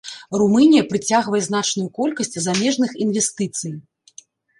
Румынія прыцягвае значную колькасць замежных інвестыцый.